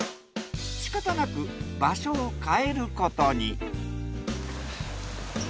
しかたなく場所を変えることに。